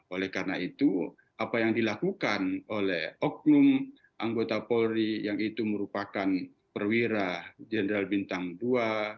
oleh karena itu apa yang dilakukan oleh oknum anggota polri yang itu merupakan perwira jenderal bintang dua